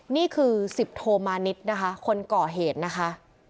นี่คือสิบโทมานิดนะคะคนก่อเหตุนะคะ